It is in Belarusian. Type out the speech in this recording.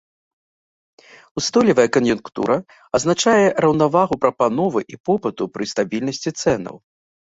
Устойлівая кан'юнктура азначае раўнавагу прапановы і попыту пры стабільнасці цэнаў.